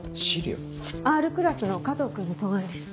Ｒクラスの加藤君の答案です。